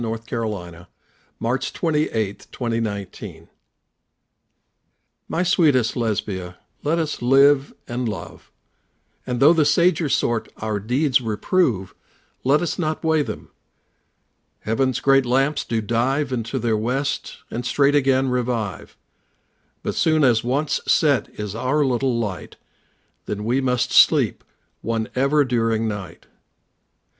Thomas Campion My Sweetest Lesbia (imitation of Catallus) MY sweetest Lesbia, let us live and love, And though the sager sort our deeds reprove, Let us not weigh them. Heaven's great lamps do dive Into their west, and straight again revive, But soon as once set is our little light, Then must we sleep one ever during night.